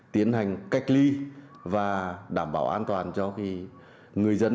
tiến hành cách ly và đảm bảo an toàn cho người dân